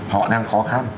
họ đang khó khăn